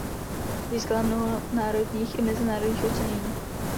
Získala mnoho národních i mezinárodních ocenění.